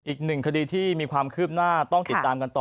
อีกหนึ่งคดีที่มีความคืบหน้าต้องติดตามกันต่อ